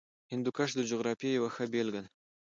هندوکش د جغرافیې یوه ښه بېلګه ده.